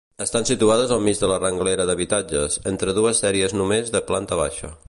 Estan situades al mig de la renglera d'habitatges, entre dues sèries només de planta baixa.